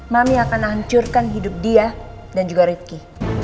mami akan hancurkan hidup dia dan juga rifki